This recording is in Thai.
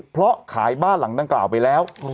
เพราะขายบ้านหลังดังกล่าวไปแล้ว